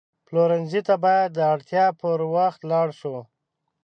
پلورنځي ته باید د اړتیا پر وخت لاړ شو.